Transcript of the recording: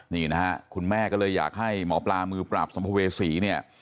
นี่นะฮะคุณแม่ก็เลยอยากให้หมอปลามือปราบสัมภเวษีเนี่ย